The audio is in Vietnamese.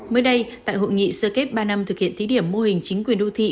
mới đây tại hội nghị sơ kết ba năm thực hiện thí điểm mô hình chính quyền đô thị